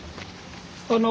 あの。